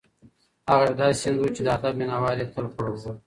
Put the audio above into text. هغه یو داسې سیند و چې د ادب مینه وال یې تل خړوبول.